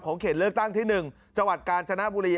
เขตเลือกตั้งที่๑จังหวัดกาญจนบุรี